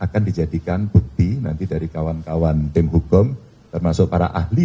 kalau kemarin ya belum boleh